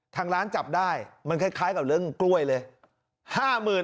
ทางร้านจับได้มันคล้ายกับเรื่องกล้วยเลย